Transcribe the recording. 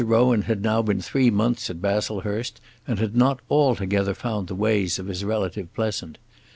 Rowan had now been three months at Baslehurst, and had not altogether found the ways of his relative pleasant.